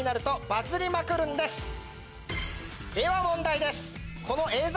では問題です！